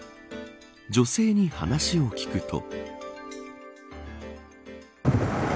女性に話を聞くと。